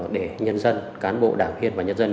để nhân dân cán bộ đảng viên và nhân dân